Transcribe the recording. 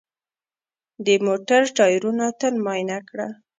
د موټر ټایرونه تل معاینه کړه.